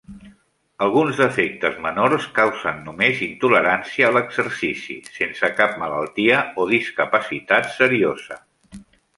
Alguns defectes menors causen només "intolerància a l'exercici" sense capt malaltia o discapacitat seriosa.